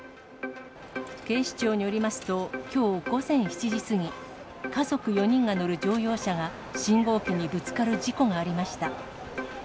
警視庁によりますと、きょう午前７時過ぎ、家族４人が乗る乗用車が、信号機にぶつかる事故がありました。